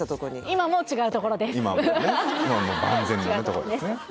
今はもう安全なところですね